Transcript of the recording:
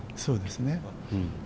そうですね。